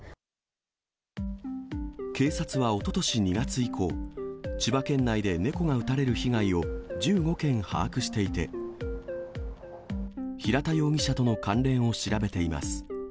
警察は、おととし２月以降、千葉県内で猫が撃たれる被害を１５件把握していて、平田容疑者との関連を調べています。